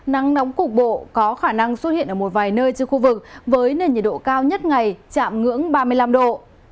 nắng nóng cục bộ có khả năng xuất hiện ở một vài nơi trên khu vực với nền nhiệt độ cao nhất ngày chạm ngưỡng ba mươi năm độ